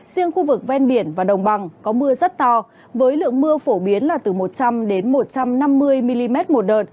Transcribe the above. riêng khu vực ven biển và đồng bằng có mưa rất to với lượng mưa phổ biến là từ một trăm linh một trăm năm mươi mm một đợt